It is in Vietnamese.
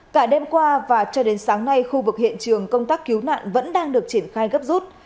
cả đêm qua và cho đến sáng nay khu vực hiện trường công tác cứu nạn vẫn đang được triển khai gấp rút